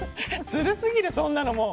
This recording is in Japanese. ずるすぎる、そんなのもう。